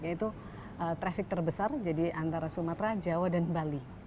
yaitu traffic terbesar jadi antara sumatera jawa dan bali